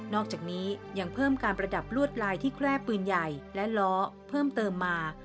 อกจากนี้ยังเพิ่มการประดับลวดลายที่แคร่ปืนใหญ่และล้อเพิ่มเติมมา